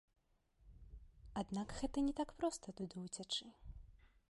Аднак гэта не так проста туды ўцячы.